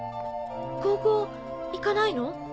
高校行かないの？